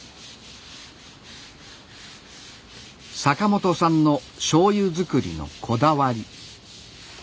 阪元さんのしょうゆづくりのこだわり